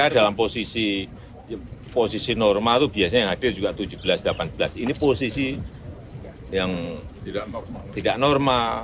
dalam posisi normal itu biasanya yang hadir juga tujuh belas delapan belas ini posisi yang tidak normal